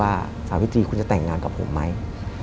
และไม่เคยเข้าไปในห้องมิชชาเลยแม้แต่ครั้งเดียว